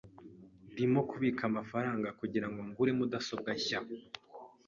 Ndimo kubika amafaranga kugirango ngure mudasobwa nshya.